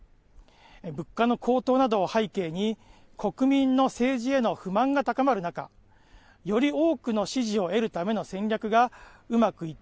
物価の高騰などを背景に、国民の政治への不満が高まる中、より多くの支持を得るための戦略がう